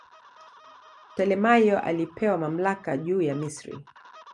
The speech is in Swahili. Ptolemaio alipewa mamlaka juu ya Misri.